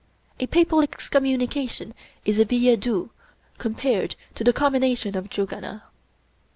A papal excommunication is a biUeUdoux compared to the Commination of Jugana.